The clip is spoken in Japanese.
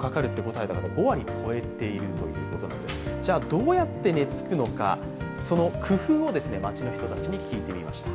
どうやって寝つくのか、その工夫を街の人に聞いてみました。